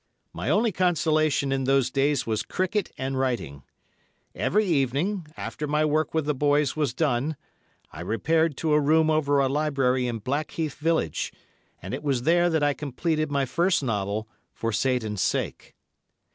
My only consolation in those days was cricket and writing. Every evening, after my work with the boys was done, I repaired to a room over a library in Blackheath village, and it was there that I completed my first novel, "For Satan's Sake."